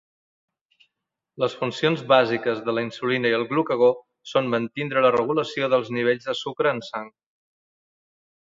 Les funcions bàsiques de la insulina i el glucagó són mantindre la regulació dels nivells de sucre en sang.